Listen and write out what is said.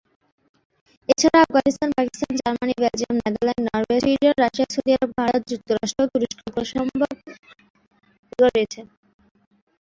এছাড়া Afghanistan, Pakistan, Germany, Belgium, Netherland, Norway, Sweden, Russia, Saudi Arabia, Canada, যুক্তরাষ্ট্র ও তুরস্কে অল্পসংখ্যক উইঘুর রয়েছে।